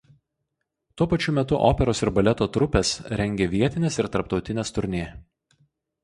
Tuo pačiu metu operos ir baleto trupės rengė vietines ir tarptautines turnė.